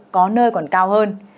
có nơi còn cao hơn